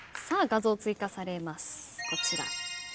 画像追加されますこちら。